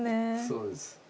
そうです。